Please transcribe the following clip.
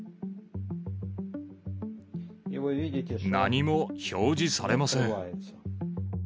何も表示されません。